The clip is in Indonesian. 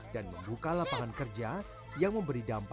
dan membuka lapangan kerja yang memberi dampak